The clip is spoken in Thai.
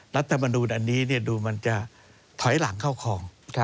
รัฐมนูลอันนี้ดูมันจะถอยหลังเข้าคลอง